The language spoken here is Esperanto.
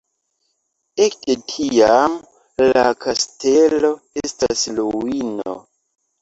Ekde tiam la kastelo estas ruino.